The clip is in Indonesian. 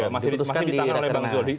masih ditangan oleh bang zul